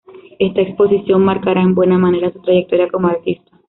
Esta exposición marcará en buena manera su trayectoria como artista.